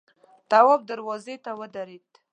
تواب دروازې ته ودرېد.